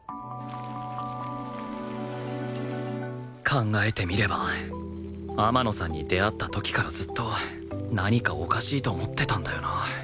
考えてみれば天野さんに出会った時からずっと何かおかしいと思ってたんだよな